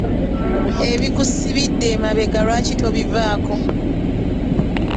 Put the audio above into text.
Ebikusibidde emabega lwaki tobivaako?